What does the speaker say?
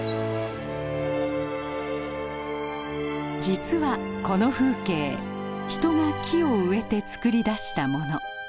実はこの風景人が木を植えてつくり出したもの。